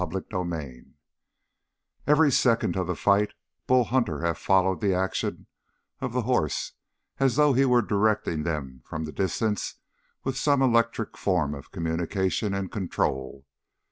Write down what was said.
CHAPTER 18 Every second of the fight Bull Hunter had followed the actions of the horse as though he were directing them from the distance with some electric form of communication and control.